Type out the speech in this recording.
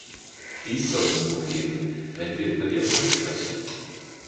Dies soll uns Mut geben, wenn wir über Vietnam debattieren.